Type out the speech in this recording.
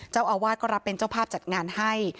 เจ้าอาวาสก็รับเป็นเจ้าภาพจัดงานให้